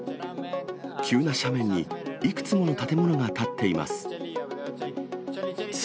急な斜面にいくつもの建物が建っています。